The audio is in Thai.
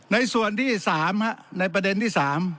ในส่วนที่๓ในประเด็นที่๓